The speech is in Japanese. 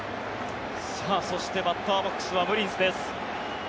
そしてバッターボックスはムリンスです。